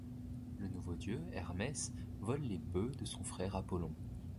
Le nouveau dieu Hermès vole les bœufs de son frère Apollon.